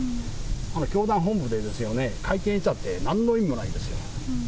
教団本部でですよね、会見したって、なんの意味もないですよ。